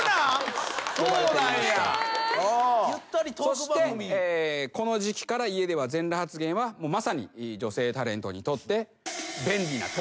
そしてこの時期から家では全裸発言はまさに女性タレントにとって。